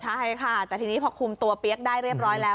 ใช่ค่ะแต่ทีนี้พอคุมตัวเปี๊ยกได้เรียบร้อยแล้ว